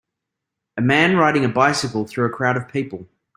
A man riding a bicycle through a crowd of people.